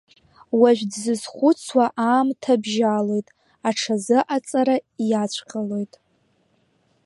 Уажә дзызхәыцуа аамҭа бжьалоит, аҽазыҟаҵара иацәҟьалоит.